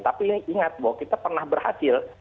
tapi ingat bahwa kita pernah berhasil